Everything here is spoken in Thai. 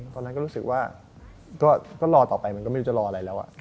ตอนนั้นก็รู้สึกว่าก็รอต่อไปมันก็ไม่รู้จะรออะไรแล้ว